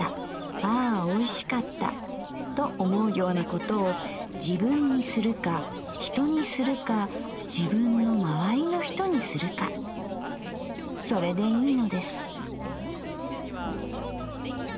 『ああ美味しかった』と思うようなことを自分にするか人にするか自分の周りの人にするかそれでいいのです」。